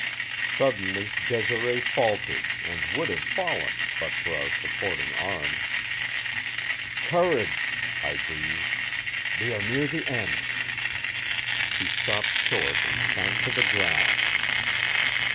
Suddenly Desiree faltered and would have fallen but for our supporting arms. "Courage!" I breathed. "We are near the end." She stopped short and sank to the ground.